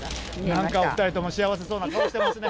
なんか２人とも幸せそうな顔してますね。